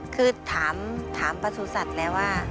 คือถามประสูจน์สัตว์แล้วว่า